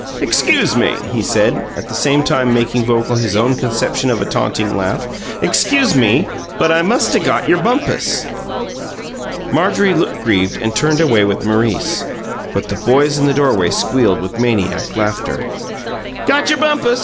"Excuse me," he said, at the same time making vocal his own conception of a taunting laugh. "Excuse me, but I must 'a' got your bumpus!" Marjorie looked grieved and turned away with Maurice; but the boys in the doorway squealed with maniac laughter. "Gotcher bumpus!